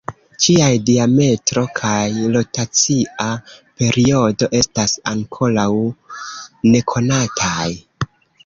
Ĝiaj diametro kaj rotacia periodo estas ankoraŭ nekonataj.